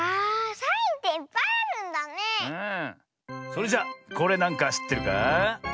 それじゃこれなんかしってるかあ？